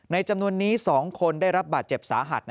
จำนวนนี้๒คนได้รับบาดเจ็บสาหัส